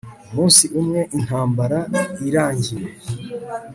umunsi umwe intambara irangiye